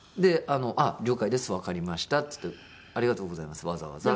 「了解ですわかりました」っつって「ありがとうございますわざわざ」。